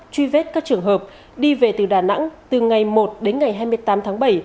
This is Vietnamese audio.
truy vết các trường hợp đi về từ đà nẵng từ ngày một đến ngày hai mươi tám tháng bảy